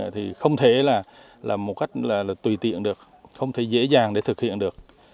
thì không thể là một cách tùy tiện được không thể dễ dàng để thực hiện được